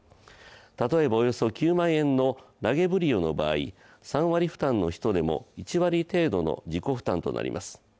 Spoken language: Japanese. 例えばおよそ９万円のラゲブリオの場合、３割負担の人でも１割程度の自己負担となります。